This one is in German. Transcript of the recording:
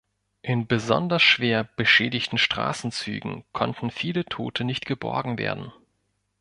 In besonders schwer beschädigten Straßenzügen konnten viele Tote nicht geborgen werden.